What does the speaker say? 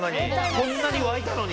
こんなに湧いたのに。